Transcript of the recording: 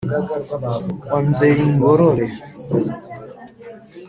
wa nzeyingorore